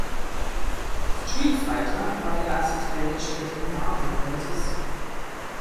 Street Fighter" war der erste Teil der späteren "Marvel vs.